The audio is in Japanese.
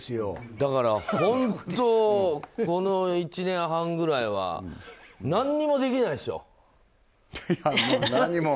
だから本当、この１年半ぐらいは何もできないでしょ。